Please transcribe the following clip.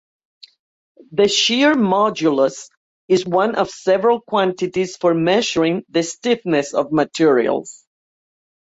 The shear modulus is one of several quantities for measuring the stiffness of materials.